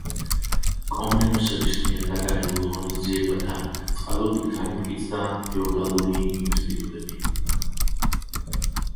კომნენოსების მიერ გატარებულ ღონისძიებათა წყალობით განმტკიცდა ფეოდალური ინსტიტუტები.